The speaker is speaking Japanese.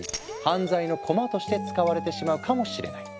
犯罪のコマとして使われてしまうかもしれない。